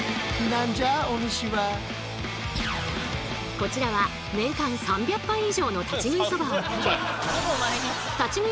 こちらは年間３００杯以上の立ち食いそばを食べ立ち食い